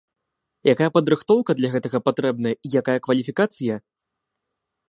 Якая падрыхтоўка для гэтага патрэбная і якая кваліфікацыя?